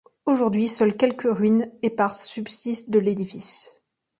Aujourd'hui, seules quelques ruines éparses subsistent de l'édifice.